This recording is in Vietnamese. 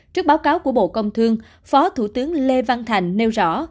trước báo cáo của bộ công thương phó thủ tướng lê văn thành nêu rõ